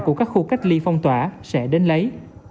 của các khu cách ly phong tỏa sẽ đến lấy